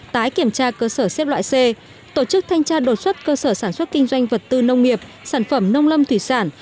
tái kiểm tra cơ sở xếp loại c tổ chức thanh tra đột xuất cơ sở sản xuất kinh doanh vật tư nông nghiệp sản phẩm nông lâm thủy sản